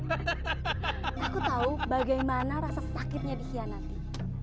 aku tahu bagaimana rasa sakitnya dikhianati